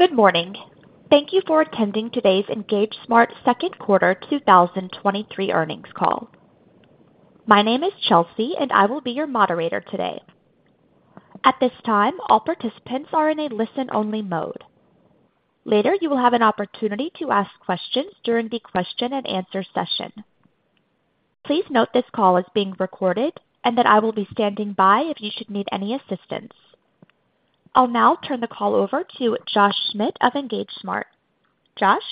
Good morning. Thank you for attending today's EngageSmart second quarter 2023 earnings call. My name is Chelsea, and I will be your moderator today. At this time, all participants are in a listen-only mode. Later, you will have an opportunity to ask questions during the question and answer session. Please note this call is being recorded and that I will be standing by if you should need any assistance. I'll now turn the call over to Josh Schmidt of EngageSmart. Josh?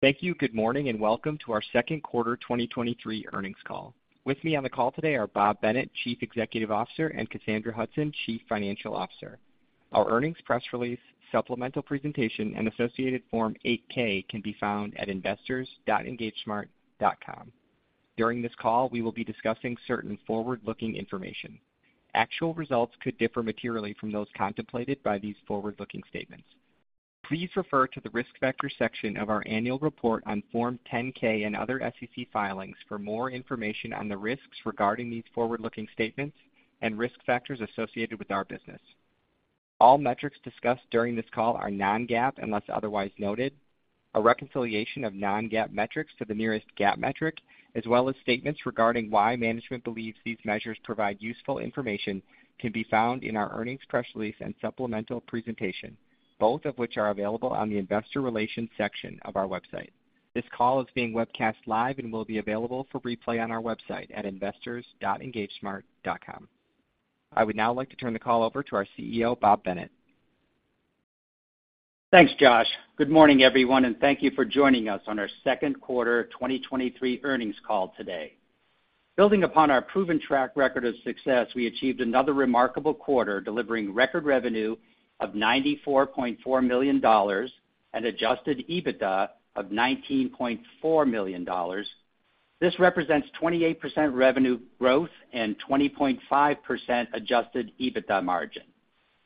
Thank you. Good morning, and welcome to our second quarter 2023 earnings call. With me on the call today are Bob Bennett, Chief Executive Officer, and Cassandra Hudson, Chief Financial Officer. Our earnings press release, supplemental presentation, and associated Form 8-K can be found at investors.engagesmart.com. During this call, we will be discussing certain forward-looking information. Actual results could differ materially from those contemplated by these forward-looking statements. Please refer to the Risk Factors section of our annual report on Form 10-K and other SEC filings for more information on the risks regarding these forward-looking statements and risk factors associated with our business. All metrics discussed during this call are non-GAAP, unless otherwise noted. A reconciliation of non-GAAP metrics to the nearest GAAP metric, as well as statements regarding why management believes these measures provide useful information, can be found in our earnings press release and supplemental presentation, both of which are available on the Investor Relations section of our website. This call is being webcast live and will be available for replay on our website at investors.engagesmart.com. I would now like to turn the call over to our CEO, Bob Bennett. Thanks, Josh. Good morning, everyone, and thank you for joining us on our second quarter 2023 earnings call today. Building upon our proven track record of success, we achieved another remarkable quarter, delivering record revenue of $94.4 million and adjusted EBITDA of $19.4 million. This represents 28% revenue growth and 20.5% adjusted EBITDA margin.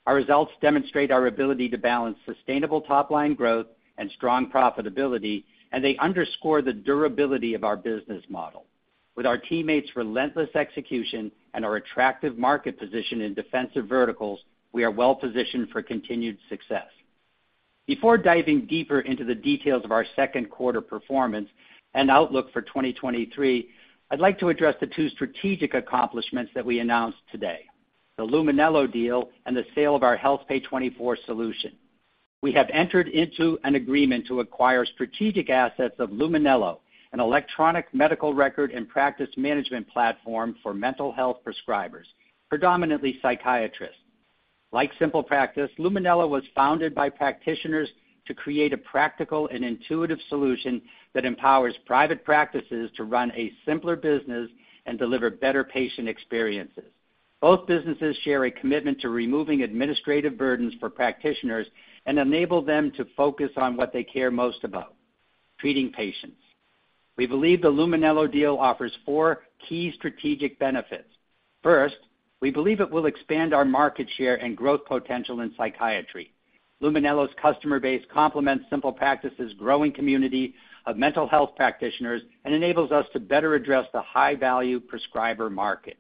Our results demonstrate our ability to balance sustainable top-line growth and strong profitability, and they underscore the durability of our business model. With our teammates' relentless execution and our attractive market position in defensive verticals, we are well positioned for continued success. Before diving deeper into the details of our second quarter performance and outlook for 2023, I'd like to address the two strategic accomplishments that we announced today: the Luminello deal and the sale of our HealthPay24 solution. We have entered into an agreement to acquire strategic assets of Luminello, an electronic medical record and practice management platform for mental health prescribers, predominantly psychiatrists. Like SimplePractice, Luminello was founded by practitioners to create a practical and intuitive solution that empowers private practices to run a simpler business and deliver better patient experiences. Both businesses share a commitment to removing administrative burdens for practitioners and enable them to focus on what they care most about, treating patients. We believe the Luminello deal offers four key strategic benefits. First, we believe it will expand our market share and growth potential in psychiatry. Luminello's customer base complements SimplePractice's growing community of mental health practitioners and enables us to better address the high-value prescriber market.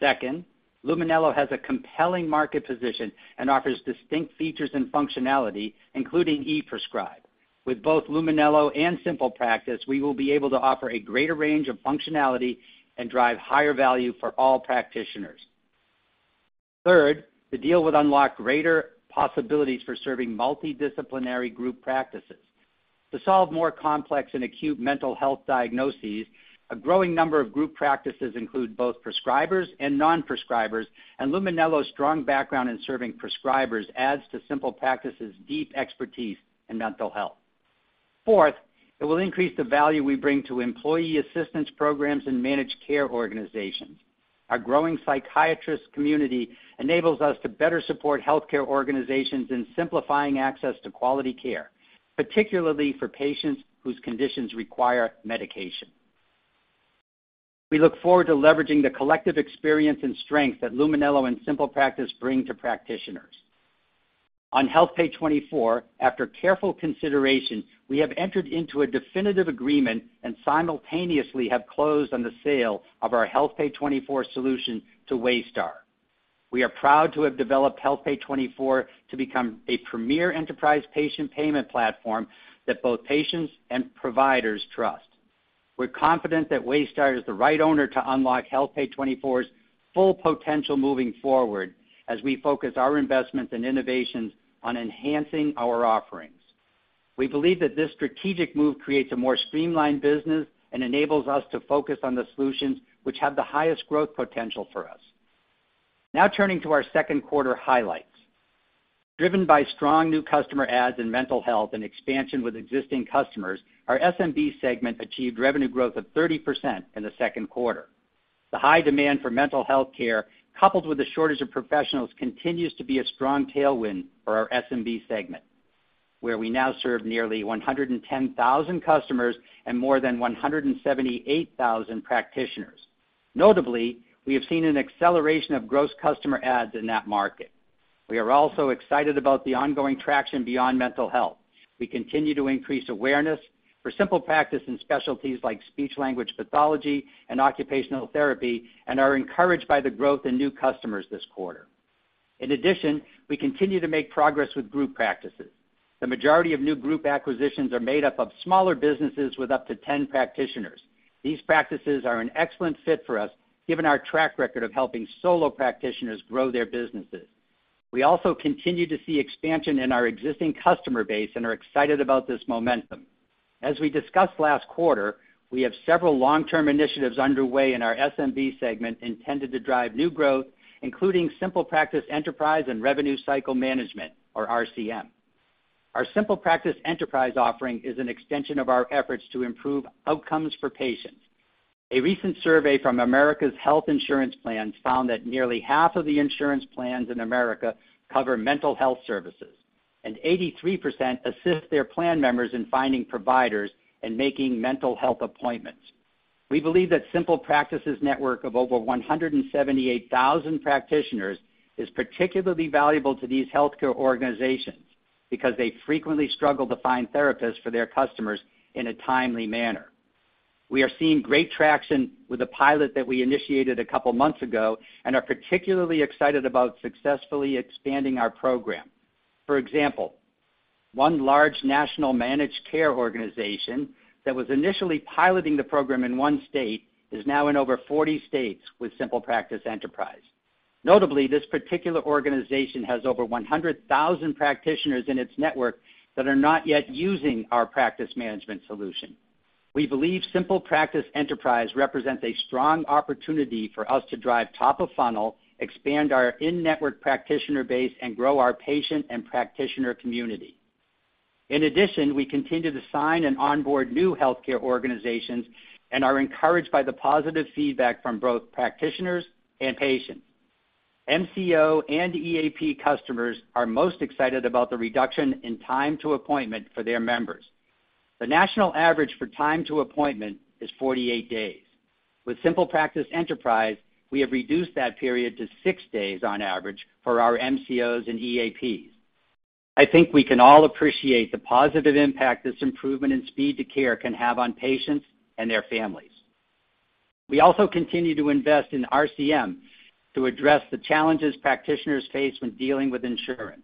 Second, Luminello has a compelling market position and offers distinct features and functionality, including e-prescribe. With both Luminello and SimplePractice, we will be able to offer a greater range of functionality and drive higher value for all practitioners. Third, the deal would unlock greater possibilities for serving multidisciplinary group practices. To solve more complex and acute mental health diagnoses, a growing number of group practices include both prescribers and non-prescribers, and Luminello's strong background in serving prescribers adds to SimplePractice's deep expertise in mental health. Fourth, it will increase the value we bring to employee assistance programs and managed care organizations. Our growing psychiatrist community enables us to better support healthcare organizations in simplifying access to quality care, particularly for patients whose conditions require medication. We look forward to leveraging the collective experience and strength that Luminello and SimplePractice bring to practitioners. On HealthPay24, after careful consideration, we have entered into a definitive agreement and simultaneously have closed on the sale of our HealthPay24 solution to Waystar. We are proud to have developed HealthPay24 to become a premier enterprise patient payment platform that both patients and providers trust. We're confident that Waystar is the right owner to unlock HealthPay24's full potential moving forward, as we focus our investments and innovations on enhancing our offerings. We believe that this strategic move creates a more streamlined business and enables us to focus on the solutions which have the highest growth potential for us. Now turning to our second quarter highlights. Driven by strong new customer adds in mental health and expansion with existing customers, our SMB segment achieved revenue growth of 30% in the second quarter. The high demand for mental health care, coupled with a shortage of professionals, continues to be a strong tailwind for our SMB segment, where we now serve nearly 110,000 customers and more than 178,000 practitioners. Notably, we have seen an acceleration of gross customer adds in that market. We are also excited about the ongoing traction beyond mental health. We continue to increase awareness for SimplePractice in specialties like speech-language pathology and occupational therapy, and are encouraged by the growth in new customers this quarter. In addition, we continue to make progress with group practices. The majority of new group acquisitions are made up of smaller businesses with up to 10 practitioners. These practices are an excellent fit for us, given our track record of helping solo practitioners grow their businesses. We also continue to see expansion in our existing customer base and are excited about this momentum. As we discussed last quarter, we have several long-term initiatives underway in our SMB segment intended to drive new growth, including SimplePractice Enterprise and Revenue Cycle Management, or RCM. Our SimplePractice Enterprise offering is an extension of our efforts to improve outcomes for patients. A recent survey from America's health insurance plans found that nearly half of the insurance plans in America cover mental health services, and 83% assist their plan members in finding providers and making mental health appointments. We believe that SimplePractice's network of over 178,000 practitioners is particularly valuable to these healthcare organizations because they frequently struggle to find therapists for their customers in a timely manner. We are seeing great traction with a pilot that we initiated a couple of months ago and are particularly excited about successfully expanding our program. For example, one large national managed care organization that was initially piloting the program in one state is now in over 40 states with SimplePractice Enterprise. Notably, this particular organization has over 100,000 practitioners in its network that are not yet using our practice management solution. We believe SimplePractice Enterprise represents a strong opportunity for us to drive top-of-funnel, expand our in-network practitioner base, and grow our patient and practitioner community. In addition, we continue to sign and onboard new healthcare organizations and are encouraged by the positive feedback from both practitioners and patients. MCO and EAP customers are most excited about the reduction in time to appointment for their members. The national average for time to appointment is 48 days. With SimplePractice Enterprise, we have reduced that period to 6 days on average for our MCOs and EAPs. I think we can all appreciate the positive impact this improvement in speed to care can have on patients and their families. We also continue to invest in RCM to address the challenges practitioners face when dealing with insurance.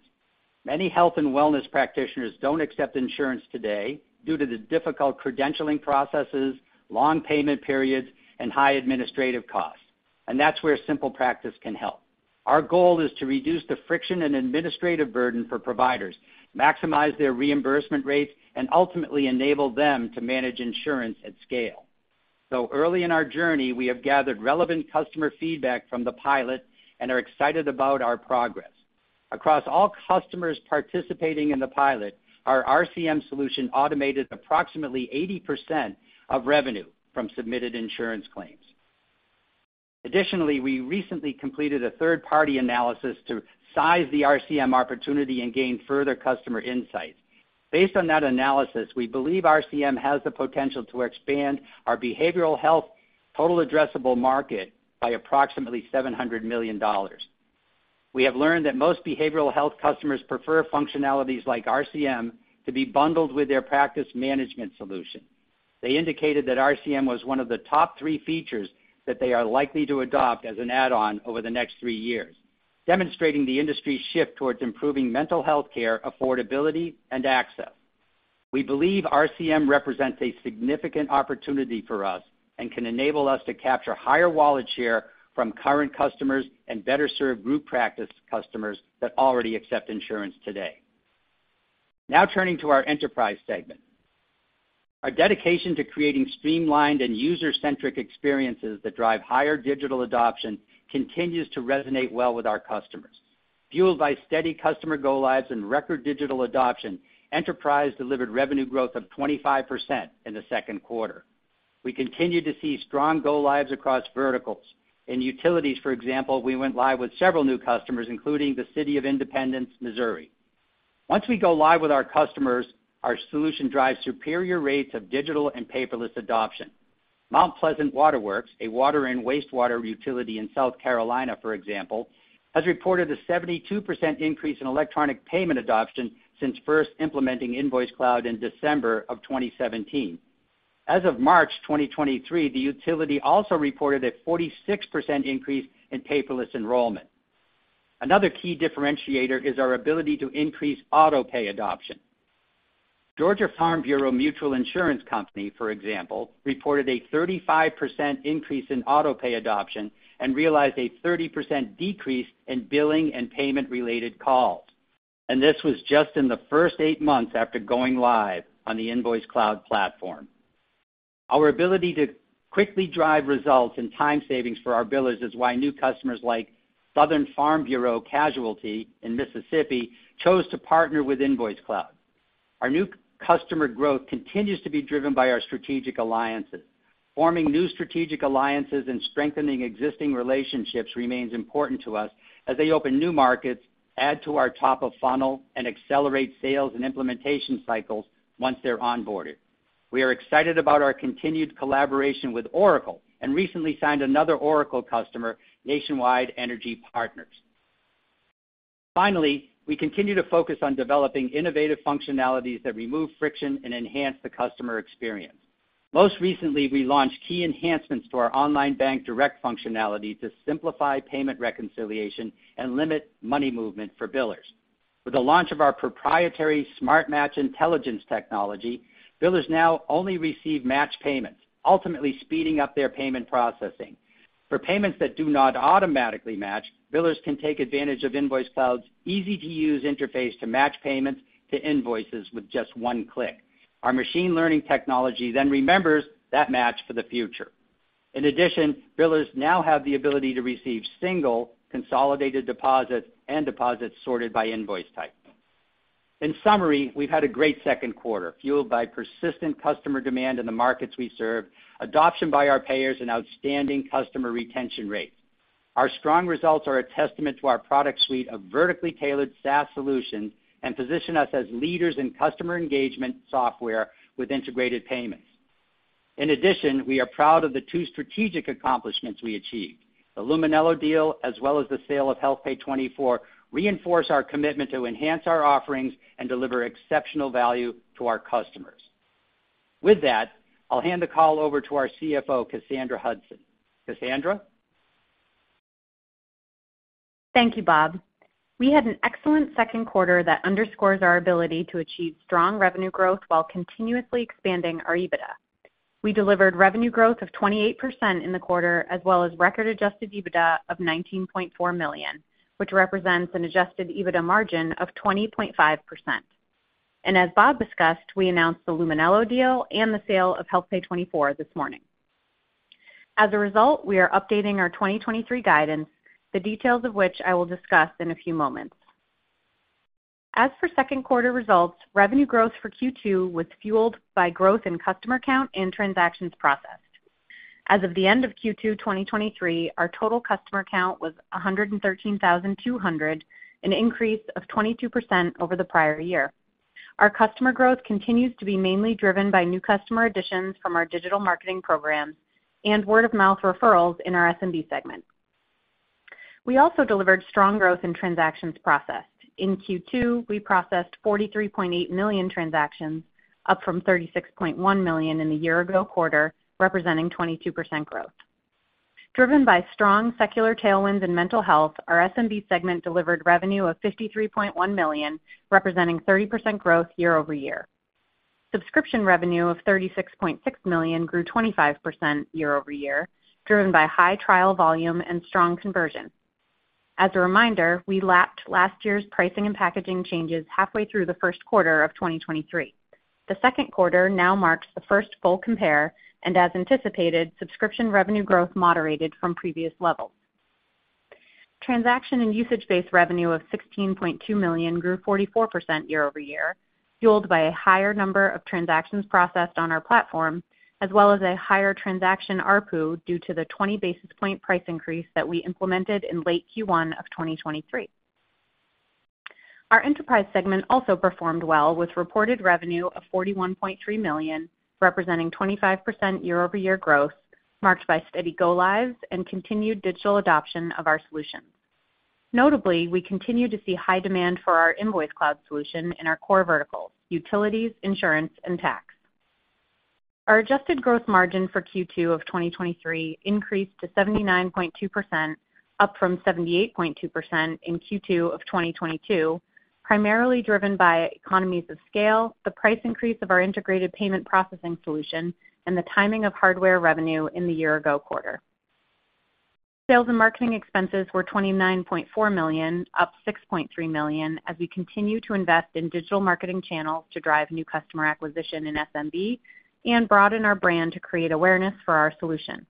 Many health and wellness practitioners don't accept insurance today due to the difficult credentialing processes, long payment periods, and high administrative costs, and that's where SimplePractice can help. Our goal is to reduce the friction and administrative burden for providers, maximize their reimbursement rates, and ultimately enable them to manage insurance at scale. Though early in our journey, we have gathered relevant customer feedback from the pilot and are excited about our progress. Across all customers participating in the pilot, our RCM solution automated approximately 80% of revenue from submitted insurance claims. Additionally, we recently completed a third-party analysis to size the RCM opportunity and gain further customer insights. Based on that analysis, we believe RCM has the potential to expand our behavioral health total addressable market by approximately $700 million. We have learned that most behavioral health customers prefer functionalities like RCM to be bundled with their practice management solution. They indicated that RCM was 1 of the top 3 features that they are likely to adopt as an add-on over the next 3 years, demonstrating the industry's shift towards improving mental health care, affordability, and access. We believe RCM represents a significant opportunity for us and can enable us to capture higher wallet share from current customers and better serve group practice customers that already accept insurance today. Now turning to our Enterprise segment. Our dedication to creating streamlined and user-centric experiences that drive higher digital adoption continues to resonate well with our customers. Fueled by steady customer go-lives and record digital adoption, Enterprise delivered revenue growth of 25% in the second quarter. We continue to see strong go-lives across verticals. In utilities, for example, we went live with several new customers, including the City of Independence, Missouri. Once we go live with our customers, our solution drives superior rates of digital and paperless adoption. Mount Pleasant Waterworks, a water and wastewater utility in South Carolina, for example, has reported a 72% increase in electronic payment adoption since first implementing InvoiceCloud in December 2017. As of March 2023, the utility also reported a 46% increase in paperless enrollment. Another key differentiator is our ability to increase auto-pay adoption. Georgia Farm Bureau Mutual Insurance Company, for example, reported a 35% increase in auto-pay adoption and realized a 30% decrease in billing and payment-related calls, and this was just in the first 8 months after going live on the InvoiceCloud platform. Our ability to quickly drive results and time savings for our billers is why new customers like Southern Farm Bureau Casualty in Mississippi chose to partner with InvoiceCloud. Our new customer growth continues to be driven by our strategic alliances. Forming new strategic alliances and strengthening existing relationships remains important to us as they open new markets, add to our top of funnel, and accelerate sales and implementation cycles once they're onboarded. We are excited about our continued collaboration with Oracle and recently signed another Oracle customer, Nationwide Energy Partners. Finally, we continue to focus on developing innovative functionalities that remove friction and enhance the customer experience. Most recently, we launched key enhancements to our online bank direct functionality to simplify payment reconciliation and limit money movement for billers. With the launch of our proprietary Smart Match intelligence technology, billers now only receive matched payments, ultimately speeding up their payment processing. For payments that do not automatically match, billers can take advantage of InvoiceCloud's easy-to-use interface to match payments to invoices with just one click. Our machine learning technology then remembers that match for the future. In addition, billers now have the ability to receive single, consolidated deposits and deposits sorted by invoice type. In summary, we've had a great second quarter, fueled by persistent customer demand in the markets we serve, adoption by our payers, and outstanding customer retention rates. Our strong results are a testament to our product suite of vertically tailored SaaS solutions, and position us as leaders in customer engagement software with integrated payments. In addition, we are proud of the two strategic accomplishments we achieved. The Luminello deal, as well as the sale of HealthPay24, reinforce our commitment to enhance our offerings and deliver exceptional value to our customers. With that, I'll hand the call over to our CFO, Cassandra Hudson. Cassandra? Thank you, Bob. We had an excellent second quarter that underscores our ability to achieve strong revenue growth while continuously expanding our EBITDA. We delivered revenue growth of 28% in the quarter, as well as record adjusted EBITDA of $19.4 million, which represents an adjusted EBITDA margin of 20.5%. As Bob discussed, we announced the Luminello deal and the sale of HealthPay24 this morning. As a result, we are updating our 2023 guidance, the details of which I will discuss in a few moments. As for second quarter results, revenue growth for Q2 was fueled by growth in customer count and transactions processed. As of the end of Q2 2023, our total customer count was 113,200, an increase of 22% over the prior year. Our customer growth continues to be mainly driven by new customer additions from our digital marketing programs and word-of-mouth referrals in our SMB segment. We also delivered strong growth in transactions processed. In Q2, we processed $43.8 million transactions, up from $36.1 million in the year-ago quarter, representing 22% growth. Driven by strong secular tailwinds in mental health, our SMB segment delivered revenue of $53.1 million, representing 30% growth year-over-year. Subscription revenue of $36.6 million grew 25% year-over-year, driven by high trial volume and strong conversion. As a reminder, we lapped last year's pricing and packaging changes halfway through the first quarter of 2023. The second quarter now marks the first full compare, and as anticipated, subscription revenue growth moderated from previous levels. Transaction and usage-based revenue of $16.2 million grew 44% year-over-year, fueled by a higher number of transactions processed on our platform, as well as a higher transaction ARPU, due to the 20 basis point price increase that we implemented in late Q1 of 2023. Our Enterprise segment also performed well, with reported revenue of $41.3 million, representing 25% year-over-year growth, marked by steady go lives and continued digital adoption of our solutions. Notably, we continue to see high demand for our InvoiceCloud solution in our core verticals: utilities, insurance, and tax. Our adjusted growth margin for Q2 of 2023 increased to 79.2%, up from 78.2% in Q2 of 2022, primarily driven by economies of scale, the price increase of our integrated payment processing solution, and the timing of hardware revenue in the year-ago quarter. Sales and marketing expenses were $29.4 million, up $6.3 million, as we continue to invest in digital marketing channels to drive new customer acquisition in SMB and broaden our brand to create awareness for our solution.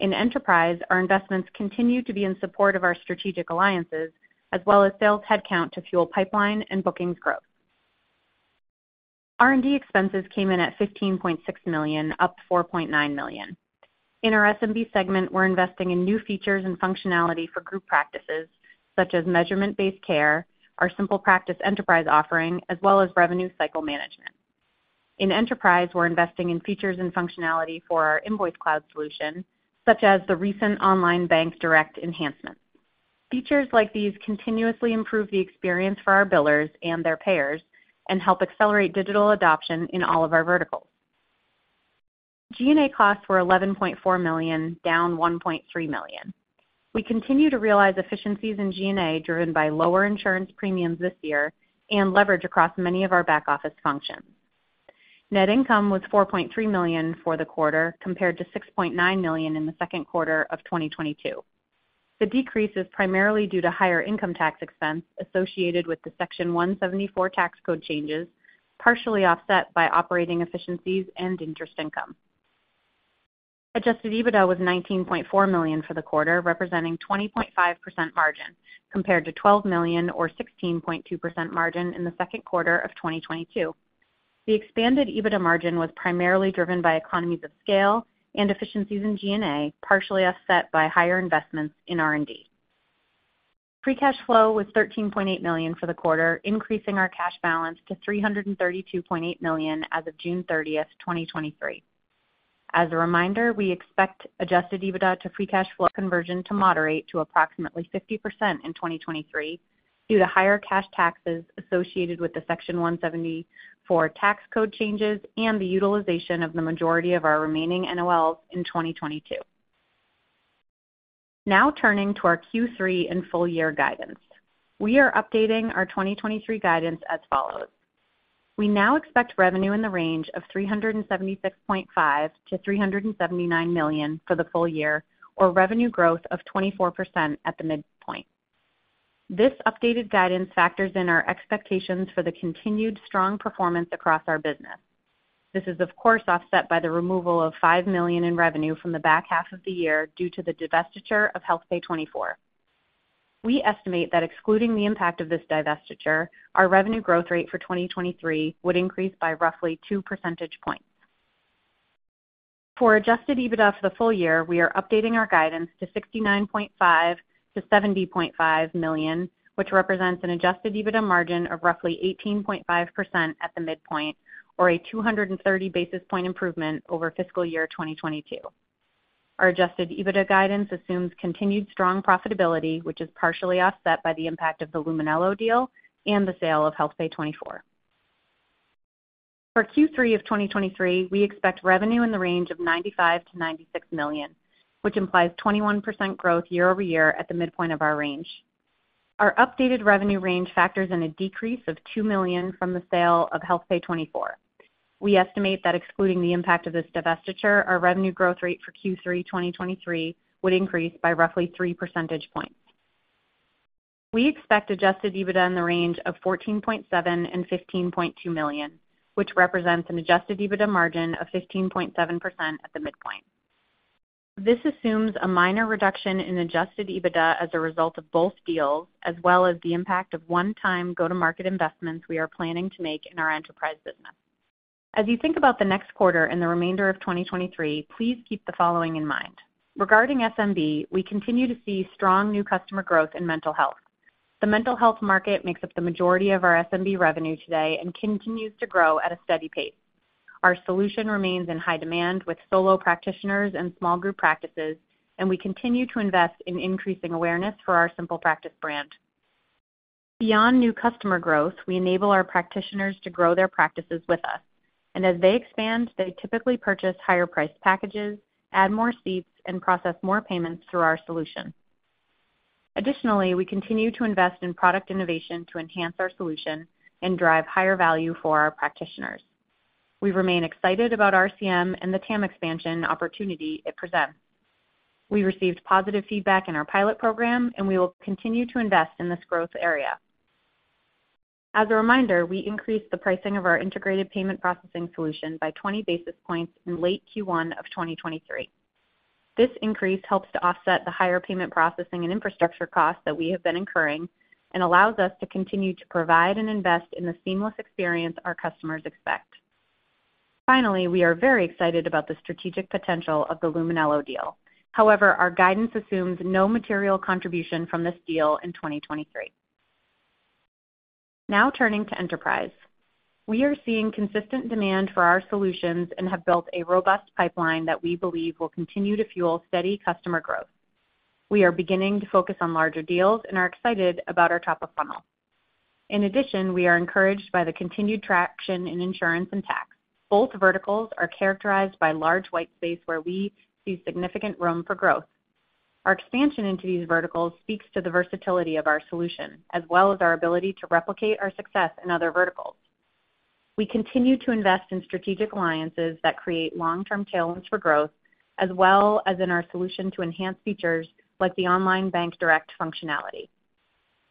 In Enterprise, our investments continue to be in support of our strategic alliances, as well as sales headcount to fuel pipeline and bookings growth. R&D expenses came in at $15.6 million, up $4.9 million. In our SMB segment, we're investing in new features and functionality for group practices, such as measurement-based care, our SimplePractice Enterprise offering, as well as Revenue Cycle Management. In Enterprise, we're investing in features and functionality for our InvoiceCloud solution, such as the recent online bank direct enhancements. Features like these continuously improve the experience for our billers and their payers and help accelerate digital adoption in all of our verticals. G&A costs were $11.4 million, down $1.3 million. We continue to realize efficiencies in G&A, driven by lower insurance premiums this year and leverage across many of our back-office functions. Net income was $4.3 million for the quarter, compared to $6.9 million in the second quarter of 2022. The decrease is primarily due to higher income tax expense associated with the Section 174 tax code changes, partially offset by operating efficiencies and interest income. Adjusted EBITDA was $19.4 million for the quarter, representing 20.5% margin, compared to $12 million or 16.2% margin in the second quarter of 2022. The expanded EBITDA margin was primarily driven by economies of scale and efficiencies in G&A, partially offset by higher investments in R&D. Free cash flow was $13.8 million for the quarter, increasing our cash balance to $332.8 million as of June 30, 2023. As a reminder, we expect adjusted EBITDA to free cash flow conversion to moderate to approximately 50% in 2023, due to higher cash taxes associated with the Section 174 tax code changes and the utilization of the majority of our remaining NOLs in 2022. Now turning to our Q3 and full year guidance. We are updating our 2023 guidance as follows: We now expect revenue in the range of $376.5 million-$379 million for the full year, or revenue growth of 24% at the midpoint. This updated guidance factors in our expectations for the continued strong performance across our business. This is, of course, offset by the removal of $5 million in revenue from the back half of the year due to the divestiture of HealthPay24. We estimate that excluding the impact of this divestiture, our revenue growth rate for 2023 would increase by roughly 2 percentage points. For adjusted EBITDA for the full year, we are updating our guidance to $69.5 million-$70.5 million, which represents an adjusted EBITDA margin of roughly 18.5% at the midpoint, or a 230 basis point improvement over fiscal year 2022. Our adjusted EBITDA guidance assumes continued strong profitability, which is partially offset by the impact of the Luminello deal and the sale of HealthPay24. For Q3 of 2023, we expect revenue in the range of $95 million-$96 million, which implies 21% growth year-over-year at the midpoint of our range. Our updated revenue range factors in a decrease of $2 million from the sale of HealthPay24. We estimate that excluding the impact of this divestiture, our revenue growth rate for Q3 2023 would increase by roughly 3 percentage points. We expect adjusted EBITDA in the range of $14.7 million and $15.2 million, which represents an adjusted EBITDA margin of 15.7% at the midpoint. This assumes a minor reduction in adjusted EBITDA as a result of both deals, as well as the impact of one-time go-to-market investments we are planning to make in our Enterprise business. As you think about the next quarter and the remainder of 2023, please keep the following in mind. Regarding SMB, we continue to see strong new customer growth in mental health. The mental health market makes up the majority of our SMB revenue today and continues to grow at a steady pace. Our solution remains in high demand with solo practitioners and small group practices, and we continue to invest in increasing awareness for our SimplePractice brand. Beyond new customer growth, we enable our practitioners to grow their practices with us, and as they expand, they typically purchase higher-priced packages, add more seats, and process more payments through our solution. Additionally, we continue to invest in product innovation to enhance our solution and drive higher value for our practitioners. We remain excited about RCM and the TAM expansion opportunity it presents. We received positive feedback in our pilot program, and we will continue to invest in this growth area. As a reminder, we increased the pricing of our integrated payment processing solution by 20 basis points in late Q1 of 2023. This increase helps to offset the higher payment processing and infrastructure costs that we have been incurring and allows us to continue to provide and invest in the seamless experience our customers expect. Finally, we are very excited about the strategic potential of the Luminello deal. However, our guidance assumes no material contribution from this deal in 2023. Now turning to Enterprise. We are seeing consistent demand for our solutions and have built a robust pipeline that we believe will continue to fuel steady customer growth. We are beginning to focus on larger deals and are excited about our top of funnel. In addition, we are encouraged by the continued traction in insurance and tax. Both verticals are characterized by large white space, where we see significant room for growth. Our expansion into these verticals speaks to the versatility of our solution, as well as our ability to replicate our success in other verticals. We continue to invest in strategic alliances that create long-term tailwinds for growth, as well as in our solution to enhance features like the online bank direct functionality.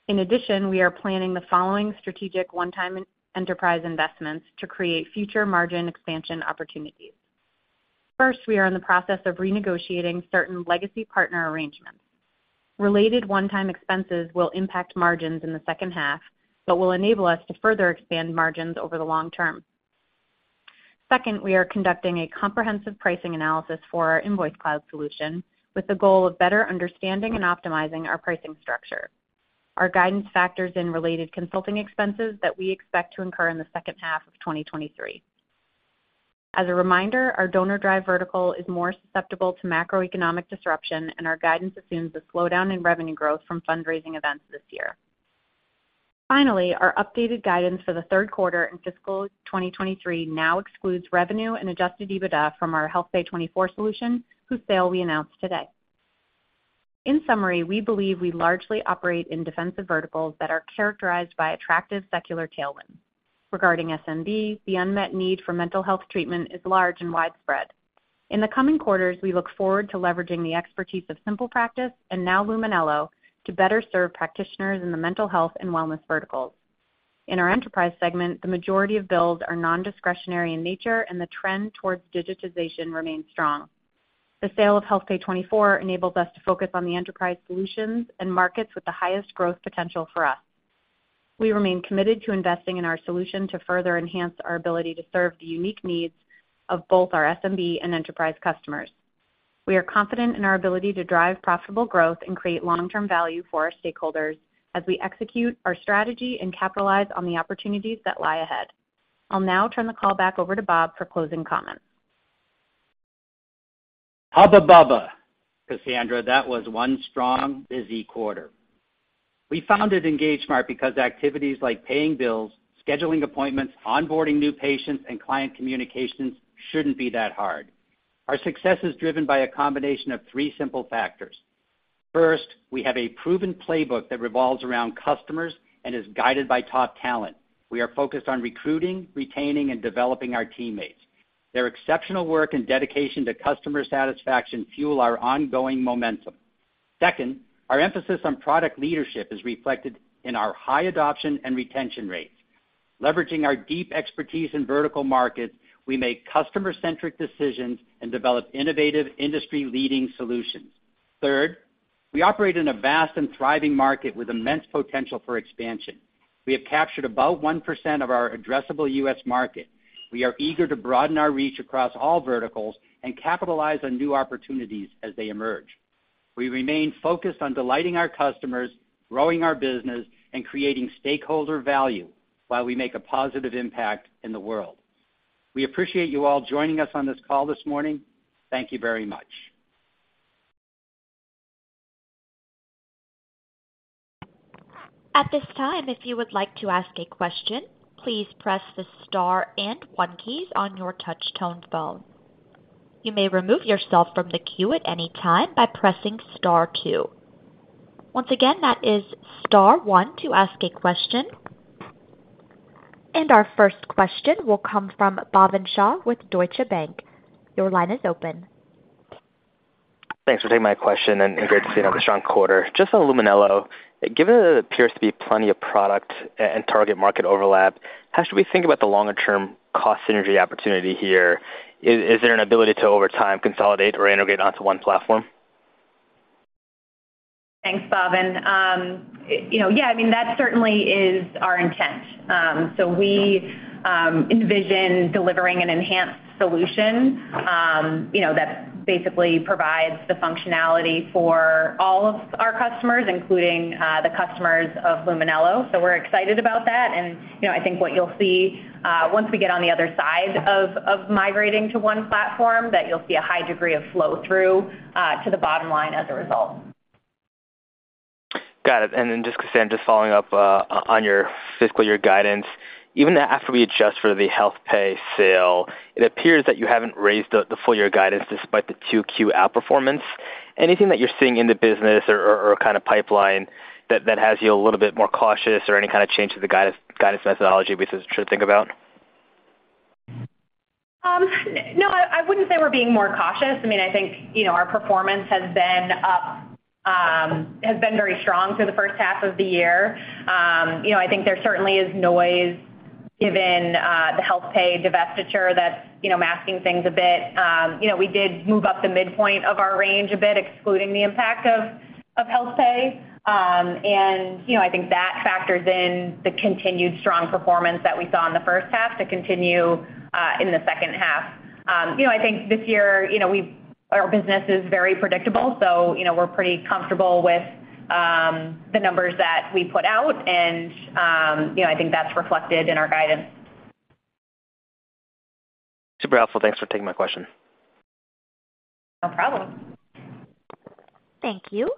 In addition, we are planning the following strategic one-time enterprise investments to create future margin expansion opportunities. First, we are in the process of renegotiating certain legacy partner arrangements. Related one-time expenses will impact margins in the second half, but will enable us to further expand margins over the long term. Second, we are conducting a comprehensive pricing analysis for our InvoiceCloud solution with the goal of better understanding and optimizing our pricing structure. Our guidance factors in related consulting expenses that we expect to incur in the second half of 2023. As a reminder, our DonorDrive vertical is more susceptible to macroeconomic disruption, and our guidance assumes a slowdown in revenue growth from fundraising events this year. Finally, our updated guidance for the third quarter in fiscal 2023 now excludes revenue and adjusted EBITDA from our HealthPay24 solution, whose sale we announced today. In summary, we believe we largely operate in defensive verticals that are characterized by attractive secular tailwinds. Regarding SMB, the unmet need for mental health treatment is large and widespread. In the coming quarters, we look forward to leveraging the expertise of SimplePractice and now Luminello to better serve practitioners in the mental health and wellness verticals. In our Enterprise segment, the majority of builds are non-discretionary in nature, and the trend towards digitization remains strong. The sale of HealthPay24 enables us to focus on the Enterprise solutions and markets with the highest growth potential for us. We remain committed to investing in our solution to further enhance our ability to serve the unique needs of both our SMB and Enterprise customers. We are confident in our ability to drive profitable growth and create long-term value for our stakeholders as we execute our strategy and capitalize on the opportunities that lie ahead. I'll now turn the call back over to Bob for closing comments. Hubba bubba, Cassandra, that was one strong, busy quarter. We founded EngageSmart because activities like paying bills, scheduling appointments, onboarding new patients, and client communications shouldn't be that hard. Our success is driven by a combination of three simple factors. First, we have a proven playbook that revolves around customers and is guided by top talent. We are focused on recruiting, retaining, and developing our teammates. Their exceptional work and dedication to customer satisfaction fuel our ongoing momentum. Second, our emphasis on product leadership is reflected in our high adoption and retention rates. Leveraging our deep expertise in vertical markets, we make customer-centric decisions and develop innovative, industry-leading solutions. Third, we operate in a vast and thriving market with immense potential for expansion. We have captured about 1% of our addressable U.S. market. We are eager to broaden our reach across all verticals and capitalize on new opportunities as they emerge. We remain focused on delighting our customers, growing our business, and creating stakeholder value while we make a positive impact in the world. We appreciate you all joining us on this call this morning. Thank you very much. At this time, if you would like to ask a question, please press the star and one keys on your touch-tone phone. You may remove yourself from the queue at any time by pressing star two. Once again, that is star one to ask a question. Our first question will come from Bhavin Shah with Deutsche Bank. Your line is open. Thanks for taking my question, great to see another strong quarter. Just on Luminello, given that there appears to be plenty of product and target market overlap, how should we think about the longer-term cost synergy opportunity here? Is there an ability to, over time, consolidate or integrate onto one platform? Thanks, Bhavin. you know, yeah, I mean, that certainly is our intent. We envision delivering an enhanced solution, you know, that basically provides the functionality for all of our customers, including the customers of Luminello. We're excited about that. you know, I think what you'll see, once we get on the other side of, of migrating to one platform, that you'll see a high degree of flow through to the bottom line as a result. Got it. Then just, Cassandra, just following up on your fiscal year guidance. Even after we adjust for the HealthPay sale, it appears that you haven't raised the full year guidance despite the 2Q outperformance. Anything that you're seeing in the business or kind of pipeline that has you a little bit more cautious or any kind of change to the guidance methodology we should think about? No, I, I wouldn't say we're being more cautious. I mean, I think, you know, our performance has been up, has been very strong through the first half of the year. You know, I think there certainly is noise given, the HealthPay divestiture that's, you know, masking things a bit. You know, we did move up the midpoint of our range a bit, excluding the impact of, of HealthPay. You know, I think that factors in the continued strong performance that we saw in the first half to continue in the second half. You know, I think this year, you know, we-- our business is very predictable, so, you know, we're pretty comfortable with, the numbers that we put out. You know, I think that's reflected in our guidance. Super helpful. Thanks for taking my question. No problem. Thank you.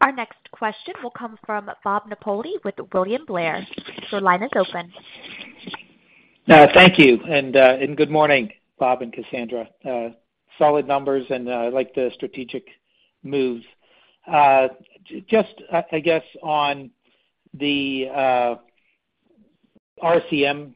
Our next question will come from Bob Napoli with William Blair. Your line is open. Thank you, and good morning, Bob and Cassandra. Solid numbers, and I like the strategic moves. Just, I guess on the RCM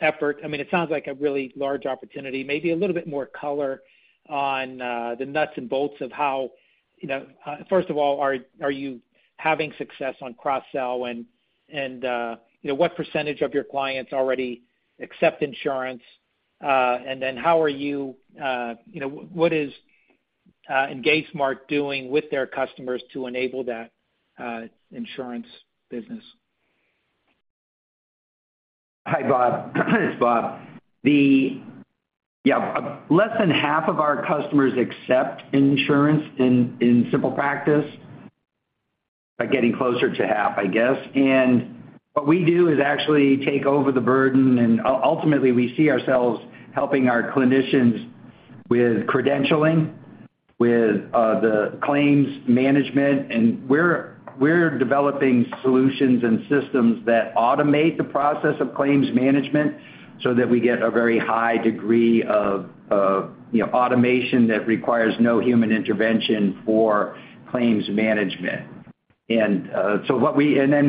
effort, I mean, it sounds like a really large opportunity, maybe a little bit more color on the nuts and bolts of how, you know. First of all, are you having success on cross-sell? And, you know, what percentage of your clients already accept insurance? And then how are you, you know, what is EngageSmart doing with their customers to enable that insurance business? Hi, Bob. It's Bob. Yeah, less than half of our customers accept insurance in SimplePractice, but getting closer to half, I guess. What we do is actually take over the burden, ultimately, we see ourselves helping our clinicians with credentialing, with the claims management. We're, we're developing solutions and systems that automate the process of claims management, so that we get a very high degree of, you know, automation that requires no human intervention for claims management. Then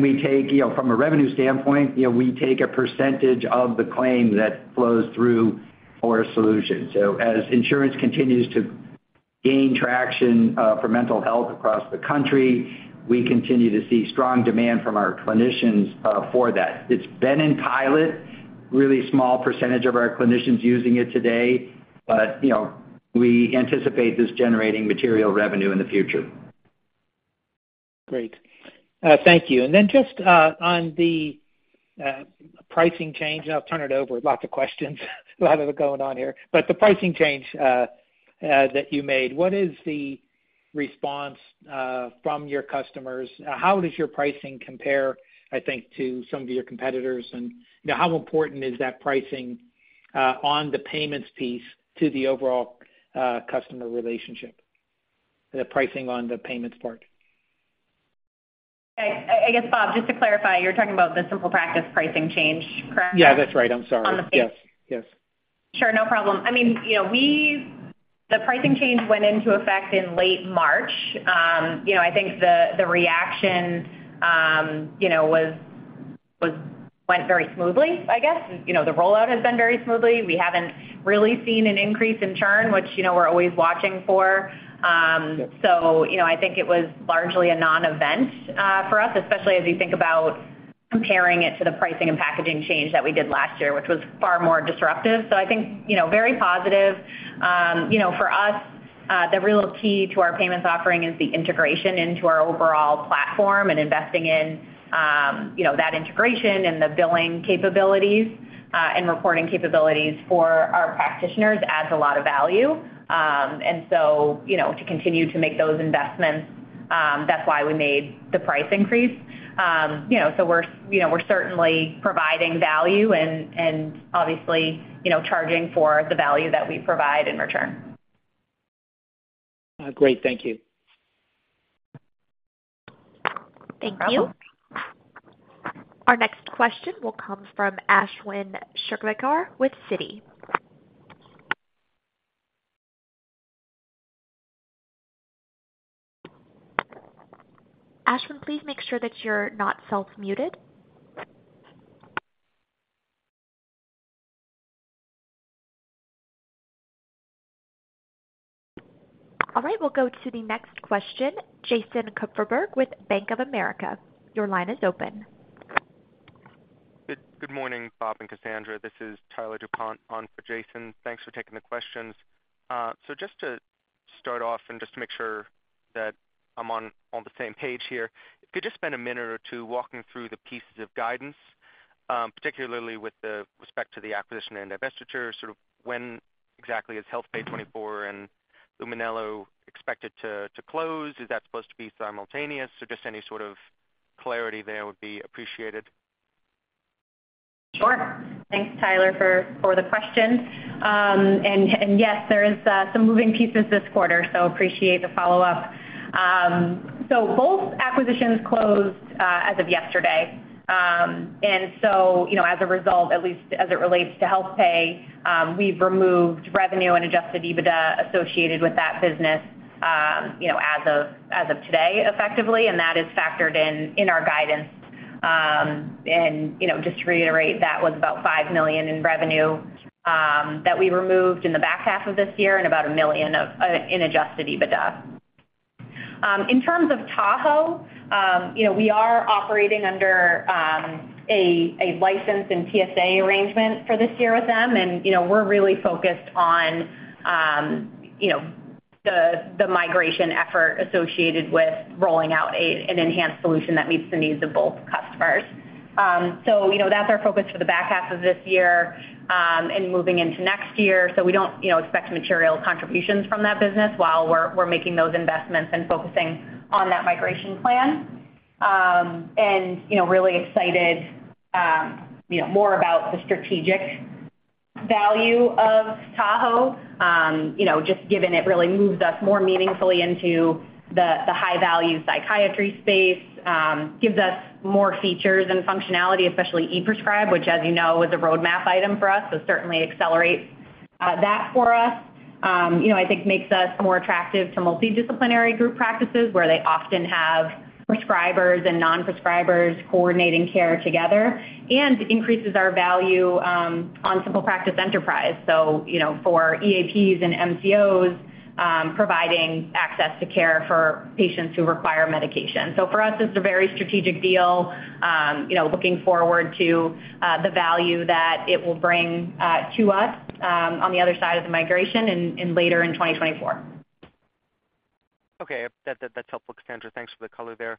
we take, you know, from a revenue standpoint, you know, we take a percentage of the claim that flows through for a solution. As insurance continues to gain traction for mental health across the country, we continue to see strong demand from our clinicians for that. It's been in pilot, really small percentage of our clinicians using it today, but, you know, we anticipate this generating material revenue in the future. Great. Thank you. Then just on the pricing change, and I'll turn it over. Lots of questions, a lot of it going on here. The pricing change that you made, what is the response from your customers? How does your pricing compare, I think, to some of your competitors? You know, how important is that pricing on the payments piece to the overall customer relationship, the pricing on the payments part? I guess, Bob, just to clarify, you're talking about the SimplePractice pricing change, correct? Yeah, that's right. I'm sorry. On the- Yes. Yes. Sure, no problem. I mean, you know, the pricing change went into effect in late March. You know, I think the, the reaction, you know, went very smoothly, I guess. You know, the rollout has been very smoothly. We haven't really seen an increase in churn, which, you know, we're always watching for. You know, I think it was largely a non-event for us, especially as you think about comparing it to the pricing and packaging change that we did last year, which was far more disruptive. I think, you know, very positive. You know, for us, the real key to our payments offering is the integration into our overall platform and investing in, you know, that integration and the billing capabilities and reporting capabilities for our practitioners adds a lot of value. You know, to continue to make those investments, that's why we made the price increase. You know, we're, you know, we're certainly providing value and, and obviously, you know, charging for the value that we provide in return. Great. Thank you. Thank you. Our next question will come from Ashwin Shirvaikar with Citi. Ashwin, please make sure that you're not self-muted. All right, we'll go to the next question, Jason Kupferberg, with Bank of America. Your line is open. Good, good morning, Bob and Cassandra. This is Tyler DuPont on for Jason. Thanks for taking the questions. Just to start off and just to make sure that I'm on, on the same page here, if you could just spend a minute or two walking through the pieces of guidance, particularly with the respect to the acquisition and divestiture. Sort of when exactly is HealthPay24 and Luminello expected to, to close? Is that supposed to be simultaneous? Just any sort of clarity there would be appreciated. Sure. Thanks, Tyler, for, for the question. Yes, there is some moving pieces this quarter, so appreciate the follow-up. Both acquisitions closed as of yesterday. You know, as a result, at least as it relates to HealthPay, we've removed revenue and adjusted EBITDA associated with that business, you know, as of, as of today, effectively, and that is factored in, in our guidance. You know, just to reiterate, that was about $5 million in revenue that we removed in the back half of this year and about $1 million in adjusted EBITDA. In terms of Luminello, you know, we are operating under a license and TSA arrangement for this year with them, and, you know, we're really focused on, you know, the migration effort associated with rolling out an enhanced solution that meets the needs of both customers. You know, that's our focus for the back half of this year, and moving into next year. We don't, you know, expect material contributions from that business while we're making those investments and focusing on that migration plan. You know, really excited, you know, more about the strategic value of Luminello, you know, just given it really moves us more meaningfully into the high-value psychiatry space, gives us more features and functionality, especially e-prescribe, which, as you know, is a roadmap item for us. Certainly accelerates that for us. you know, I think makes us more attractive to multidisciplinary group practices where they often have prescribers and non-prescribers coordinating care together and increases our value on SimplePractice Enterprise. you know, for EAPs and MCOs, providing access to care for patients who require medication. For us, this is a very strategic deal, you know, looking forward to the value that it will bring to us on the other side of the migration and, and later in 2024. Okay, that, that, that's helpful, Cassandra. Thanks for the color there.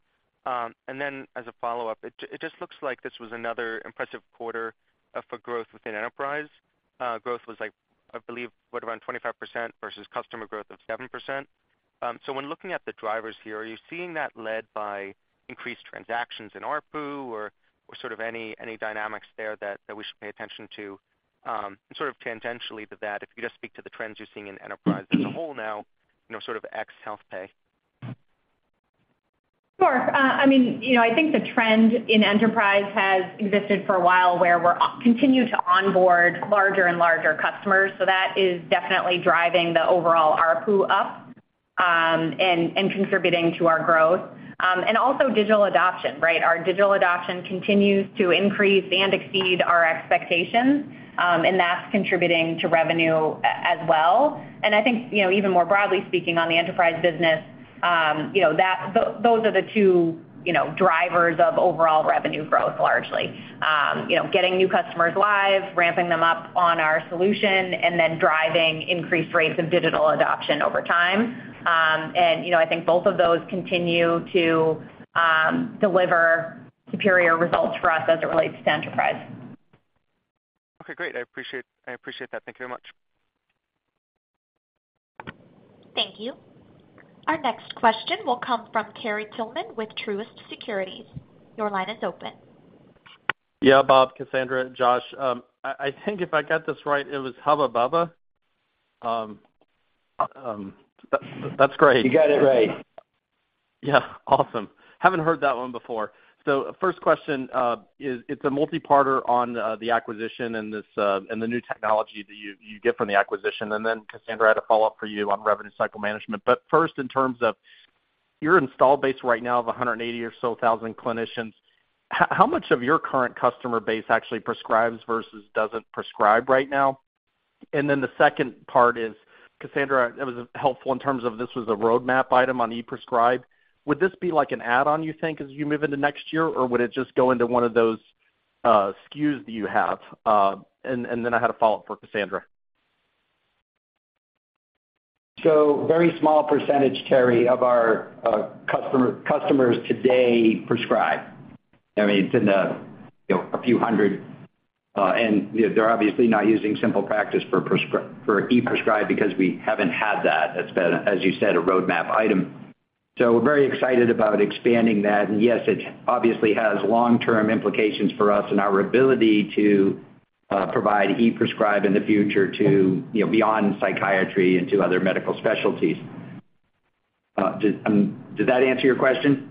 Then as a follow-up, it, it just looks like this was another impressive quarter, for growth within Enterprise. Growth was like, I believe, what, around 25% versus customer growth of 7%. When looking at the drivers here, are you seeing that led by increased transactions in ARPU or, or sort of any, any dynamics there that, that we should pay attention to? Sort of tangentially to that, if you just speak to the trends you're seeing in Enterprise as a whole now, you know, sort of ex-HealthPay. Sure. I mean, you know, I think the trend in Enterprise has existed for a while, where we continue to onboard larger and larger customers. That is definitely driving the overall ARPU up and contributing to our growth. Also digital adoption, right? Our digital adoption continues to increase and exceed our expectations, and that's contributing to revenue as well. I think, you know, even more broadly speaking, on the enterprise business, you know, those are the two you know, drivers of overall revenue growth largely. You know, getting new customers live, ramping them up on our solution, and then driving increased rates of digital adoption over time. You know, I think both of those continue to deliver superior results for us as it relates to enterprise. Okay, great. I appreciate, I appreciate that. Thank you very much. Thank you. Our next question will come from Terry Tillman with Truist Securities. Your line is open. Yeah, Bob, Cassandra, and Josh. I, I think if I got this right, it was Hubba bubba? That's great. You got it right. Yeah. Awesome. Haven't heard that one before. First question, it's a multi-parter on the acquisition and this and the new technology that you, you get from the acquisition. Cassandra, I had a follow-up for you on Revenue Cycle Management. First, in terms of your install base right now of 180,000 clinicians, how, how much of your current customer base actually prescribes versus doesn't prescribe right now? The second part is, Cassandra, it was helpful in terms of this was a roadmap item on e-prescribe. Would this be like an add-on, you think, as you move into next year, or would it just go into one of those SKUs that you have? I had a follow-up for Cassandra. Very small percentage, Terry, of our customers today prescribe. I mean, it's in the, you know, a few hundred, and, you know, they're obviously not using SimplePractice for e-prescribe because we haven't had that. That's been, as you said, a roadmap item. We're very excited about expanding that. Yes, it obviously has long-term implications for us and our ability to provide e-prescribe in the future to, you know, beyond psychiatry into other medical specialties. Did that answer your question?